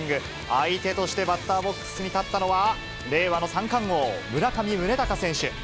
相手としてバッターボックスに立ったのは、令和の三冠王、村上宗隆選手。